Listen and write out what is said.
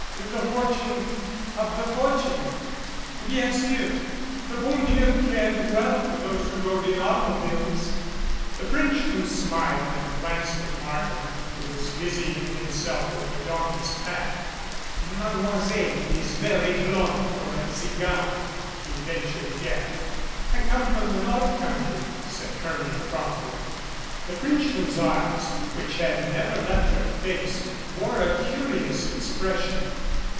"The fortune of the fortunate. Bien sur. The bon Dleu cared well for those who rode in automobiles." The Frenchman smiled and glanced at Markham, who was busying himself with the donkey's pack. "Mademoiselle is very blonde for a tsigane," he ven tured again. "I come from the North country," said Hermia promptly. The Frenchman's eyes which had never left her face wore a curious expression.